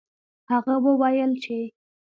هغه وویل چې